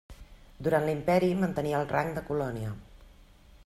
Durant l'imperi mantenia el rang de colònia.